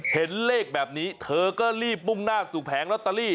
เห็นเลขแบบนี้เธอก็รีบมุ่งหน้าสู่แผงลอตเตอรี่